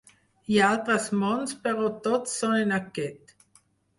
«hi ha altres mons però tots són en aquest».